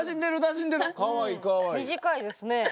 短いですね。